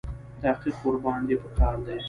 تحقیق ورباندې په کار دی.